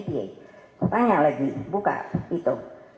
tanya lagi buka itu